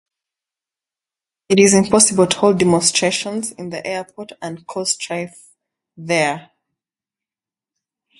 It is impossible to hold demonstrations in the airport and cause strife there.